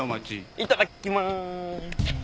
いただきまーす！